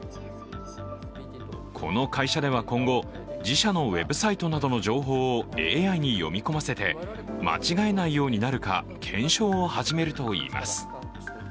この会社では今後、自社のウェブサイトなどの情報をＡＩに読み込ませて間違えないようになるか検証を始めるといいます。